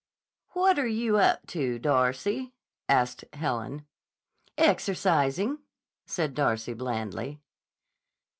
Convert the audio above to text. "What are you up to, Darcy?" asked Helen. "Exercising," said Darcy blandly.